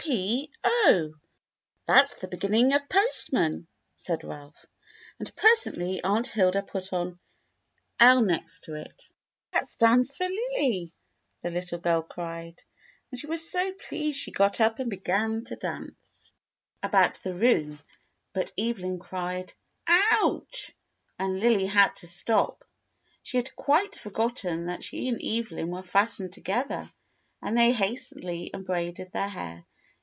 "P 0, that's the beginning of postman," said Ralph. And presently Aunt Hilda put an L next to it. "That stands for Lily," the little girl cried. And she was so pleased she got up and began to dance THE LITTLE GAYS 85 about the room, but Evelyn cried, "Ouch!" and Lily had to stop. She had quite forgotten that she and Evelyn were fastened together, and they hastily unbraided their hair.